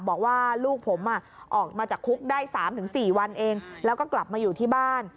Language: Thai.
บอกว่าลูกผมออกมาจากคุกได้๓๔วันเองแล้วก็กลับมาอยู่ที่บ้าน